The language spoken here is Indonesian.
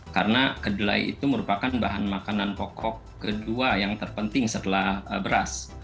karena kedelai itu merupakan bahan makanan pokok kedua yang terpenting setelah beras